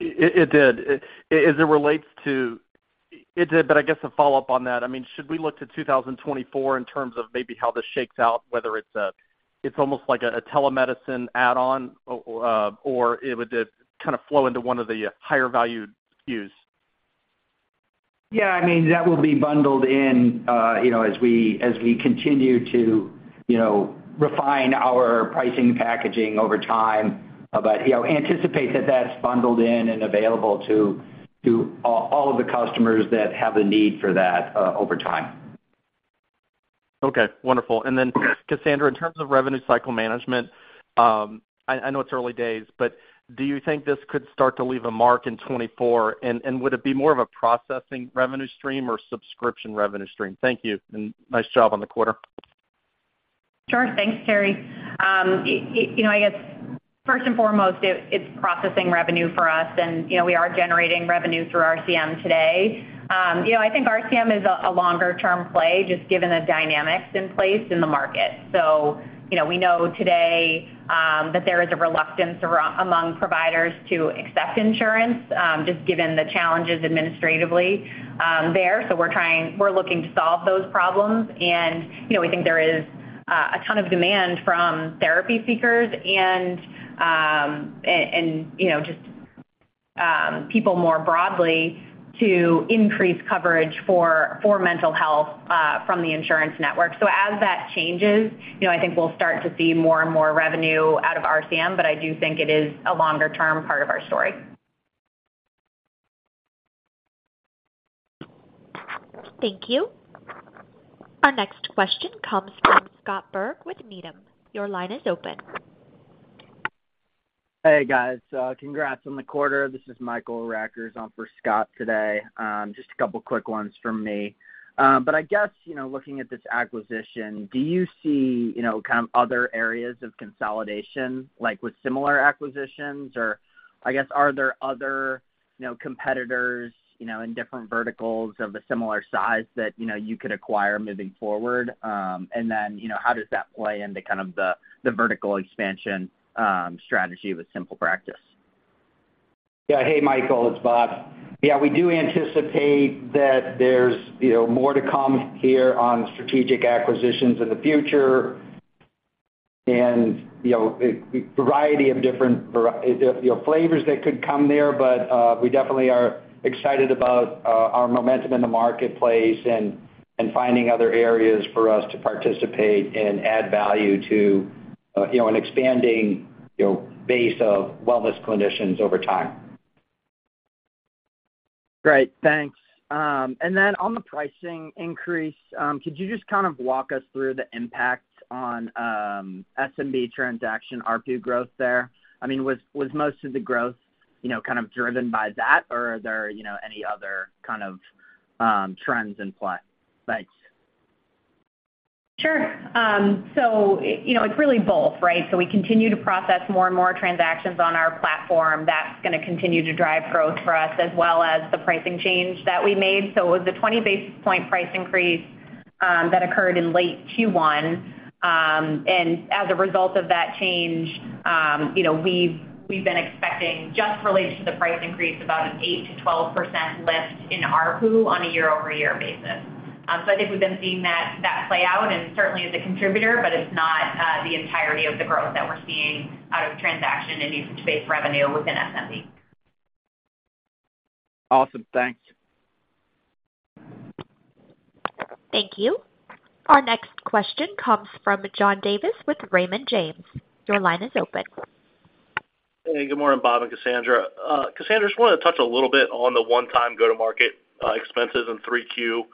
It, it did. As it relates to, it did, but I guess a follow-up on that, I mean, should we look to 2024 in terms of maybe how this shakes out, whether it's almost like a telemedicine add-on, or it would kind of flow into one of the higher value SKUs? Yeah, I mean, that will be bundled in, you know, as we, as we continue to, you know, refine our pricing packaging over time. You know, anticipate that that's bundled in and available to, to all, all of the customers that have the need for that, over time. Okay, wonderful. Okay. Then, Cassandra, in terms of Revenue Cycle Management, I, I know it's early days, but do you think this could start to leave a mark in 2024? Would it be more of a processing revenue stream or subscription revenue stream? Thank you, and nice job on the quarter. Sure. Thanks, Terry. You know, I guess first and foremost, it's processing revenue for us, and, you know, we are generating revenue through RCM today. You know, I think RCM is a longer-term play, just given the dynamics in place in the market. You know, we know today that there is a reluctance among providers to accept insurance, just given the challenges administratively there. We're looking to solve those problems, and, you know, we think there is a ton of demand from therapy seekers and, you know, just people more broadly to increase coverage for mental health from the insurance network. As that changes, you know, I think we'll start to see more and more revenue out of RCM, but I do think it is a longer-term part of our story. Thank you. Our next question comes from Scott Berg with Needham. Your line is open. Hey, guys, congrats on the quarter. This is Michael Rackers on for Scott today. Just a couple quick ones from me. I guess, you know, looking at this acquisition, do you see, you know, kind of other areas of consolidation, like with similar acquisitions? I guess, are there other, you know, competitors, you know, in different verticals of a similar size that, you know, you could acquire moving forward? Then, you know, how does that play into kind of the, the vertical expansion, strategy with SimplePractice? Yeah. Hey, Michael, it's Bob. Yeah, we do anticipate that there's, you know, more to come here on strategic acquisitions in the future and, you know, a variety of different vari- you know, flavors that could come there. But, we definitely are excited about, our momentum in the marketplace and, and finding other areas for us to participate and add value to, you know, an expanding, you know, base of wellness clinicians over time. Great, thanks. Then on the pricing increase, could you just kind of walk us through the impact on, SMB transaction, ARPU growth there? I mean, was, was most of the growth, you know, kind of driven by that, or are there, you know, any other kind of, trends in play? Thanks. Sure. So, you know, it's really both, right? We continue to process more and more transactions on our platform. That's gonna continue to drive growth for us, as well as the pricing change that we made. It was a 20 basis point price increase that occurred in late Q1. As a result of that change, you know, we've, we've been expecting, just related to the price increase, about an 8%-12% lift in ARPU on a year-over-year basis. I think we've been seeing that, that play out, and certainly is a contributor, but it's not the entirety of the growth that we're seeing out of transaction and usage-based revenue within SMB. Awesome. Thanks. Thank you. Our next question comes from John Davis with Raymond James. Your line is open. Hey, good morning, Bob and Cassandra. Cassandra, just wanted to touch a little bit on the one-time go-to-market expenses in 3Q for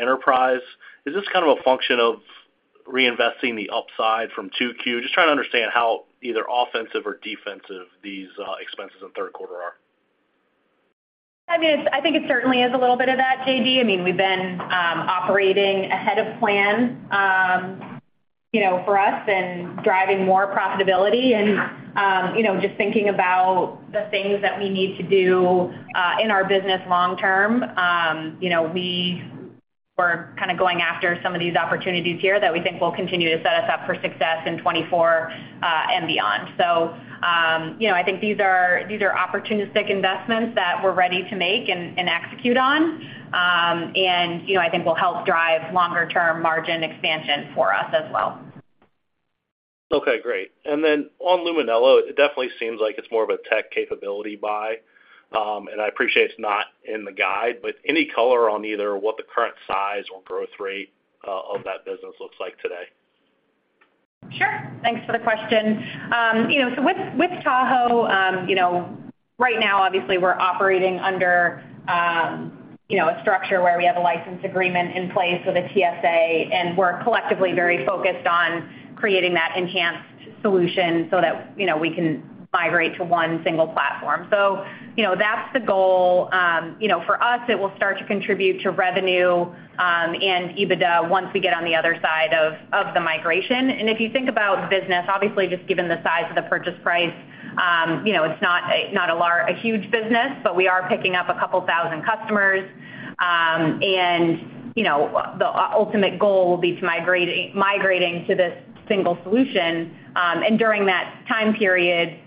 Enterprise. Is this kind of a function of reinvesting the upside from 2Q? Just trying to understand how either offensive or defensive these expenses in the third quarter are. I mean, I think it certainly is a little bit of that, JD. I mean, we've been operating ahead of plan, you know, for us and driving more profitability and, you know, just thinking about the things that we need to do in our business long term. You know, we were kind of going after some of these opportunities here that we think will continue to set us up for success in 2024 and beyond. I think these are opportunistic investments that we're ready to make and execute on. I think will help drive longer-term margin expansion for us as well. Okay, great. On Luminello, it definitely seems like it's more of a tech capability buy. I appreciate it's not in the guide, but any color on either what the current size or growth rate of that business looks like today? Sure. Thanks for the question. you know, so with, with Luminello, you know, right now, obviously, we're operating under, you know, a structure where we have a license agreement in place with a TSA, and we're collectively very focused on creating that enhanced solution so that, you know, we can migrate to 1 single platform. That's the goal. you know, for us, it will start to contribute to revenue, and EBITDA once we get on the other side of, of the migration. If you think about business, obviously, just given the size of the purchase price, you know, it's not a huge business, but we are picking up a couple thousand customers. The ultimate goal will be to migrating to this single solution. And during that time period,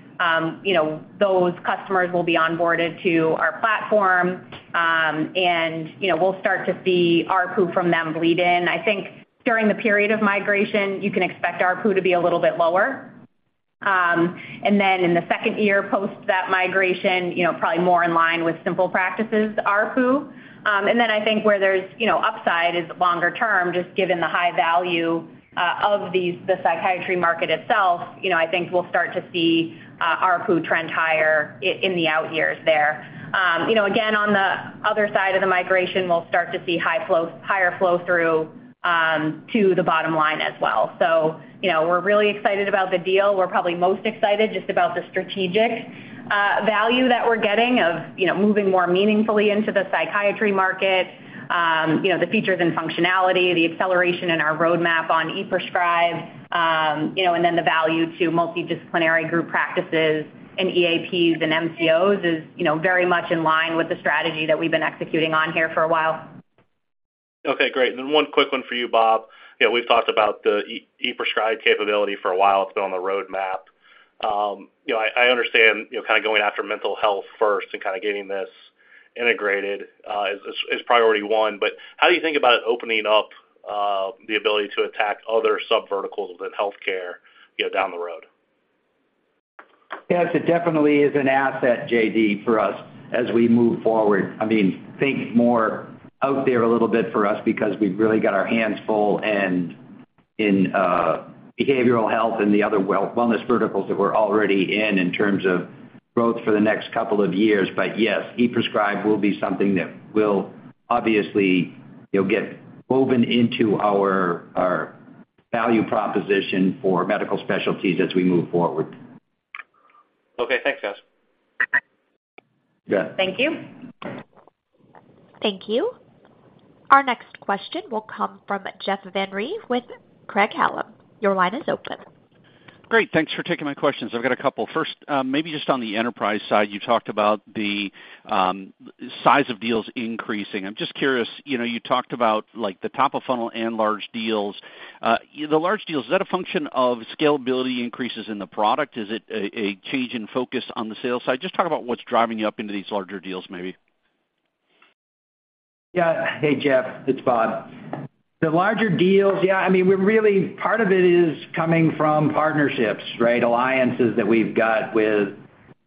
you know, those customers will be onboarded to our platform, and, you know, we'll start to see ARPU from them bleed in. I think during the period of migration, you can expect ARPU to be a little bit lower. And then in the second year post that migration, you know, probably more in line with SimplePractice's ARPU. And then I think where there's, you know, upside is longer term, just given the high value of these, the psychiatry market itself, you know, I think we'll start to see ARPU trend higher in the out years there. You know, again, on the other side of the migration, we'll start to see higher flow through to the bottom line as well. You know, we're really excited about the deal. We're probably most excited just about the strategic value that we're getting of, you know, moving more meaningfully into the psychiatry market. You know, the features and functionality, the acceleration in our roadmap on e-prescribe, you know, and then the value to multidisciplinary group practices and EAPs and MCOs is, you know, very much in line with the strategy that we've been executing on here for a while. Okay, great. Then one quick one for you, Bob. You know, we've talked about the e-prescribe capability for a while. It's been on the roadmap. You know, I, I understand, you know, kind of going after mental health first and kind of getting this integrated, is, is priority one, but how do you think about it opening up the ability to attack other subverticals within healthcare, you know, down the road? Yes, it definitely is an asset, JD, for us as we move forward. I mean, think more out there a little bit for us because we've really got our hands full and in behavioral health and the other well- wellness verticals that we're already in, in terms of growth for the next couple of years. But yes, e-prescribe will be something that will obviously, it'll get woven into our, our value proposition for medical specialties as we move forward. Okay. Thanks, guys. Yeah. Thank you. Thank you. Our next question will come from Jeff Van Rhee with Craig-Hallum. Your line is open. Great. Thanks for taking my questions. I've got a couple. First, maybe just on the Enterprise side, you talked about the size of deals increasing. I'm just curious, you know, you talked about, like, the top of funnel and large deals. The large deals, is that a function of scalability increases in the product? Is it a, a change in focus on the sales side? Just talk about what's driving you up into these larger deals, maybe. Yeah. Hey, Jeff, it's Bob. The larger deals, yeah, I mean, we're part of it is coming from partnerships, right? Alliances that we've got with,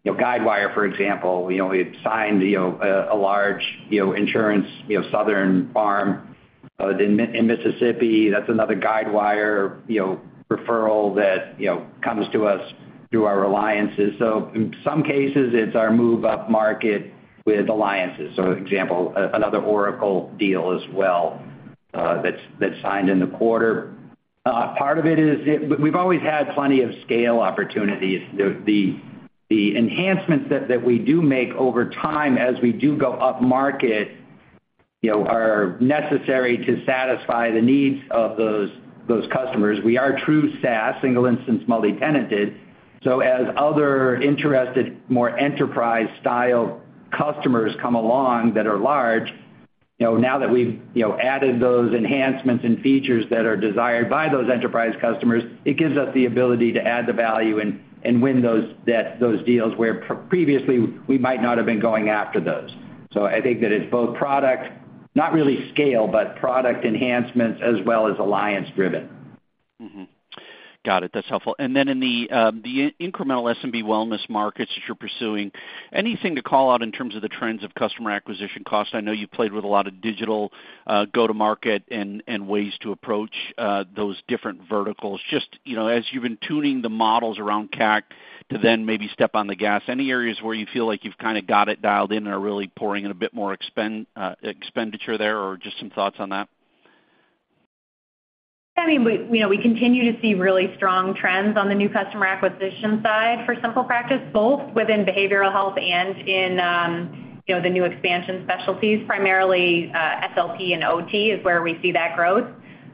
you know, Guidewire, for example. You know, we've signed, you know, a, a large, you know, insurance, you know, Southern Farm, in Mississippi. That's another Guidewire, you know, referral that, you know, comes to us through our alliances. In some cases, it's our move upmarket with alliances. Example, another Oracle deal as well, that's, that's signed in the quarter. Part of it is we've always had plenty of scale opportunities. The enhancements that we do make over time as we do go upmarket, you know, are necessary to satisfy the needs of those, those customers. We are true SaaS, single instance, multi-tenanted. As other interested, more Enterprise-style customers come along that are large, you know, now that we've, you know, added those enhancements and features that are desired by those Enterprise customers, it gives us the ability to add the value and win those, those deals, where previously, we might not have been going after those. I think that it's both product, not really scale, but product enhancements as well as alliance-driven. Mm-hmm. Got it. That's helpful. And then in the, the in-incremental SMB wellness markets that you're pursuing, anything to call out in terms of the trends of customer acquisition costs? I know you've played with a lot of digital, go-to-market and, and ways to approach, those different verticals. Just, you know, as you've been tuning the models around CAC to then maybe step on the gas, any areas where you feel like you've kinda got it dialed in and are really pouring in a bit more expenditure there, or just some thoughts on that? I mean, we, you know, we continue to see really strong trends on the new customer acquisition side for SimplePractice, both within behavioral health and in, you know, the new expansion specialties, primarily, SLP and OT, is where we see that growth.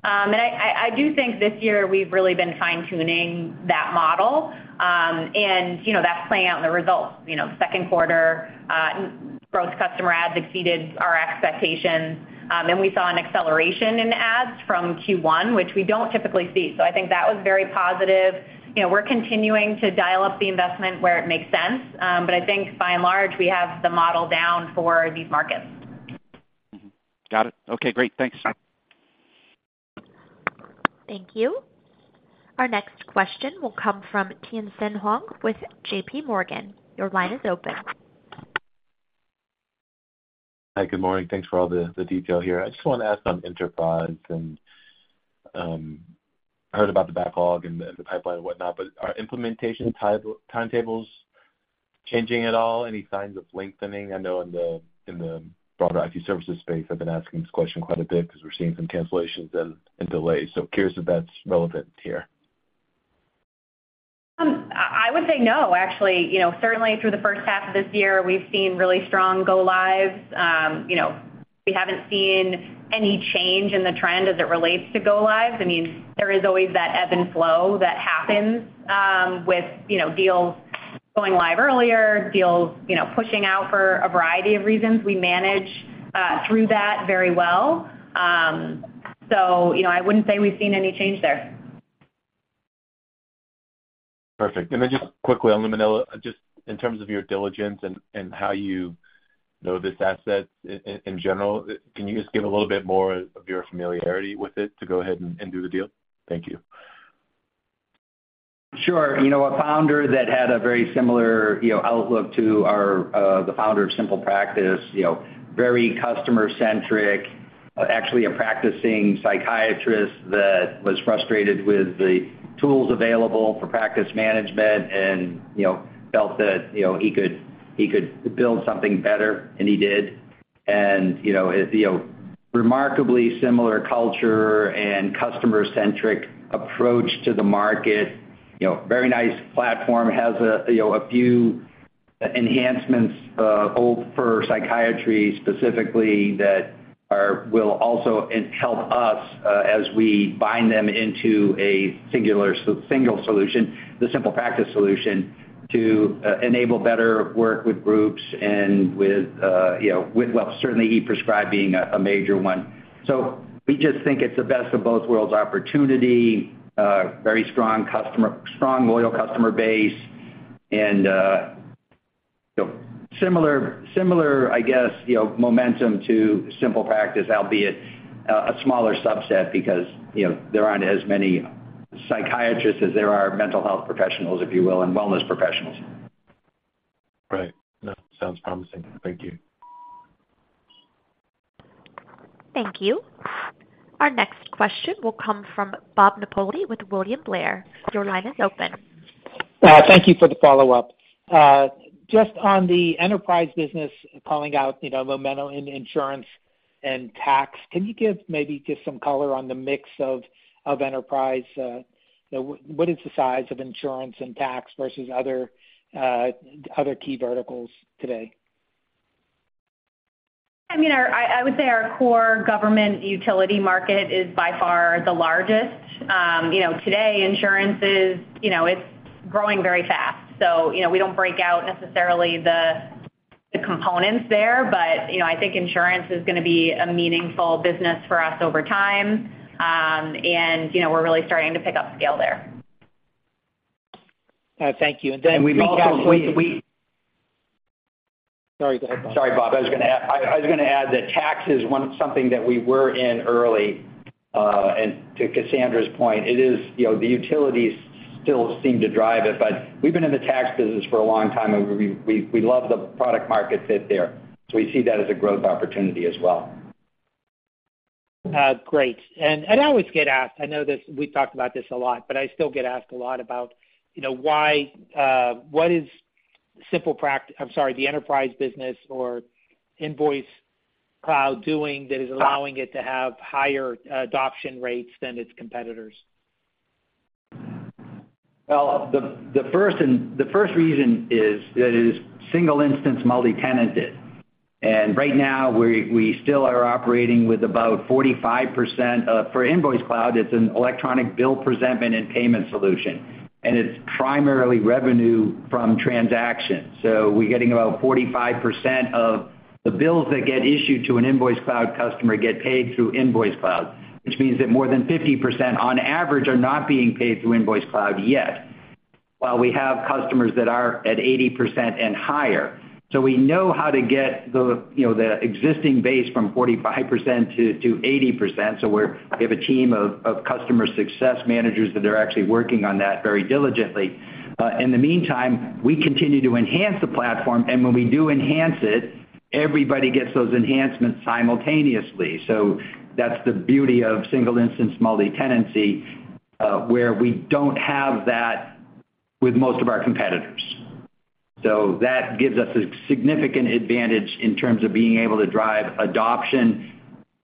I, I, I do think this year we've really been fine-tuning that model. You know, that's playing out in the results. You know, second quarter, growth customer adds exceeded our expectations, and we saw an acceleration in the adds from Q1, which we don't typically see. I think that was very positive. You know, we're continuing to dial up the investment where it makes sense, but I think by and large, we have the model down for these markets. Mm-hmm. Got it. Okay, great. Thanks. Thank you. Our next question will come from Tien-Tsin Huang with J.P. Morgan. Your line is open. Hi, good morning. Thanks for all the, the detail here. I just want to ask on Enterprise and, I heard about the backlog and the, and the pipeline and whatnot, but are implementation timetables changing at all? Any signs of lengthening? I know in the, in the broader IT services space, I've been asking this question quite a bit because we're seeing some cancellations and, and delays, so curious if that's relevant here. I, I would say no, actually. You know, certainly through the first half of this year, we've seen really strong go lives. You know, we haven't seen any change in the trend as it relates to go lives. I mean, there is always that ebb and flow that happens, with, you know, deals going live earlier, deals, you know, pushing out for a variety of reasons. We manage through that very well. You know, I wouldn't say we've seen any change there. Perfect. Then just quickly on Luminello, just in terms of your diligence and, and how you know this asset in general, can you just give a little bit more of your familiarity with it to go ahead and, and do the deal? Thank you. Sure. You know, a founder that had a very similar, you know, outlook to our, the founder of SimplePractice, you know, very customer-centric, actually a practicing psychiatrist that was frustrated with the tools available for practice management and, you know, felt that, you know, he could, he could build something better, and he did. You know, it, you know, remarkably similar culture and customer-centric approach to the market. You know, very nice platform, has a, you know, a few enhancements, built for psychiatry, specifically, that will also help us, as we bind them into a singular single solution, the SimplePractice solution, to enable better work with groups and with, you know, with, well, certainly e-prescribe being a, a major one. We just think it's the best of both worlds opportunity, a very strong customer-- strong, loyal customer base, and, you know, similar, similar, I guess, you know, momentum to SimplePractice, albeit a smaller subset because, you know, there aren't as many psychiatrists as there are mental health professionals, if you will, and wellness professionals. Right. That sounds promising. Thank you. Thank you. Our next question will come from Bob Napoli with William Blair. Your line is open. Thank you for the follow-up. Just on the Enterprise business, calling out, you know, momentum in insurance and tax, can you give, maybe give some color on the mix of, of Enterprise? What is the size of insurance and tax versus other, other key verticals today? I mean, I would say our core government utility market is by far the largest. You know, today, insurance is, you know, it's growing very fast. You know, we don't break out necessarily the, the components there, but, you know, I think insurance is gonna be a meaningful business for us over time. You know, we're really starting to pick up scale there. Thank you. Then we also- Sorry, Bob. I was gonna add that tax is one thing that we were in early. To Cassandra's point, it is, you know, the utilities still seem to drive it, but we've been in the tax business for a long time, and we, we, we love the product market fit there, so we see that as a growth opportunity as well. Great. I always get asked, I know this, we've talked about this a lot, but I still get asked a lot about, you know, why, what is the Enterprise business or InvoiceCloud doing that is allowing it to have higher adoption rates than its competitors? Well, the first reason is that it is single instance, multi-tenanted. Right now, we still are operating with about 45%. For InvoiceCloud, it's an electronic bill presentation and payment solution, and it's primarily revenue from transactions. We're getting about 45% of the bills that get issued to an InvoiceCloud customer get paid through InvoiceCloud, which means that more than 50%, on average, are not being paid through InvoiceCloud yet. While we have customers that are at 80% and higher. We're- we have a team of customer success managers that are actually working on that very diligently. In the meantime, we continue to enhance the platform, and when we do enhance it, everybody gets those enhancements simultaneously. That's the beauty of single instance multi-tenancy, where we don't have that with most of our competitors. That gives us a significant advantage in terms of being able to drive adoption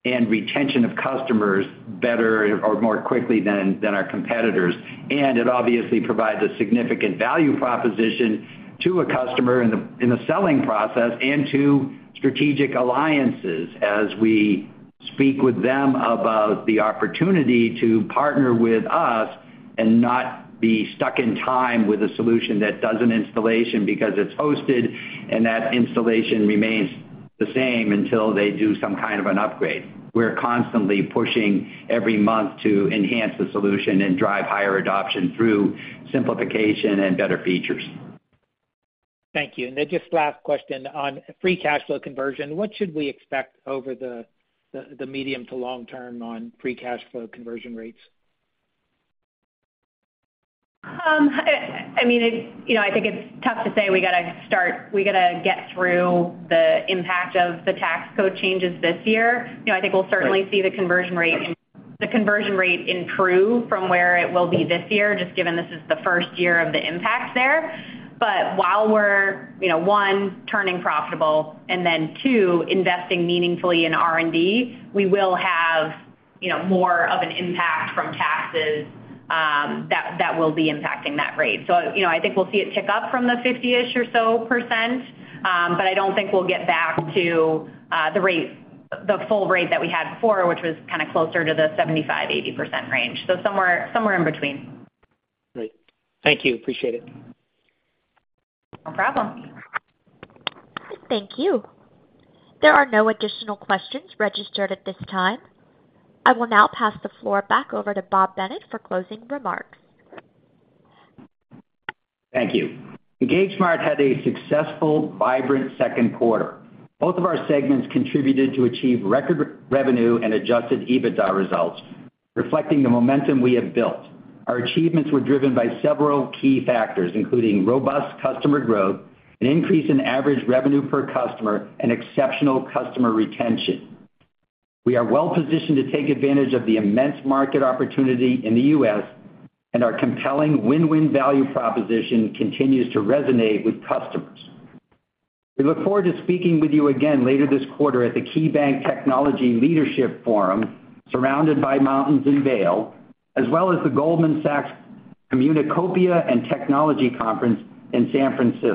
and retention of customers better or more quickly than, than our competitors. It obviously provides a significant value proposition to a customer in the, in the selling process and to strategic alliances as we speak with them about the opportunity to partner with us, and not be stuck in time with a solution that does an installation because it's hosted, and that installation remains the same until they do some kind of an upgrade. We're constantly pushing every month to enhance the solution and drive higher adoption through simplification and better features. Thank you. Then just last question, on free cash flow conversion, what should we expect over the medium to long term on free cash flow conversion rates? I, I mean, it, you know, I think it's tough to say we gotta get through the impact of the tax code changes this year. You know, I think we'll certainly see the conversion rate, the conversion rate improve from where it will be this year, just given this is the first year of the impact there. While we're, you know, one, turning profitable and then, two, investing meaningfully in R&D, we will have, you know, more of an impact from taxes, that, that will be impacting that rate. I think we'll see it tick up from the 50-ish or so %, but I don't think we'll get back to the rate, the full rate that we had before, which was kind of closer to the 75%-80% range. Somewhere, somewhere in between. Great. Thank you. Appreciate it. No problem. Thank you. There are no additional questions registered at this time. I will now pass the floor back over to Bob Bennett for closing remarks. Thank you. EngageSmart had a successful, vibrant 2nd quarter. Both of our segments contributed to achieve record revenue and adjusted EBITDA results, reflecting the momentum we have built. Our achievements were driven by several key factors, including robust customer growth, an increase in average revenue per customer, and exceptional customer retention. We are well-positioned to take advantage of the immense market opportunity in the U.S., and our compelling win-win value proposition continues to resonate with customers. We look forward to speaking with you again later this quarter at the KeyBank Technology Leadership Forum, surrounded by mountains in Vail, as well as the Goldman Sachs Communacopia + Technology Conference in San Francisco.